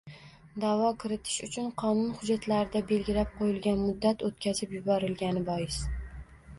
Da’vo kiritish uchun qonun hujjatlarida belgilab qo‘yilgan muddat o‘tkazib yuborilgani bois